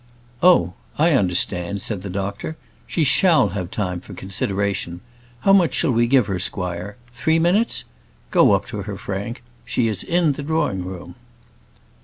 "Oh, I understand," said the doctor. "She shall have time for consideration. How much shall we give her, squire? three minutes? Go up to her Frank: she is in the drawing room."